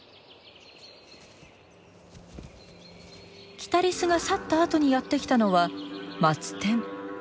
キタリスが去ったあとにやって来たのはマツテン。